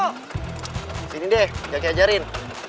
di sini deh jaki ajarin